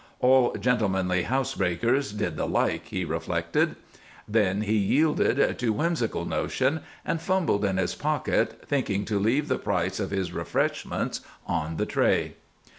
All gentlemanly housebreakers did the like, he reflected. Then he yielded to a whimsical notion and fumbled in his pocket, thinking to leave the price of his refreshments on the tray.